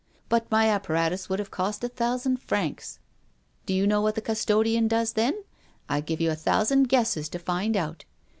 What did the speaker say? But my apparatus would have cost a thousand francs. Do you know what the custodian does then? I give you a thousand guesses to find out.